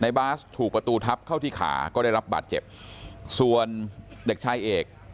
บาสถูกประตูทับเข้าที่ขาก็ได้รับบาดเจ็บส่วนเด็กชายเอก